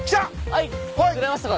はい釣れました。